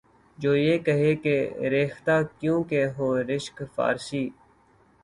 جو یہ کہے کہ ’’ ریختہ کیوں کہ ہو رشکِ فارسی؟‘‘